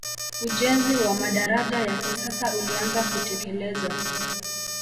ujenzi wa madaraja ya kisasa ulianza kutekelezwa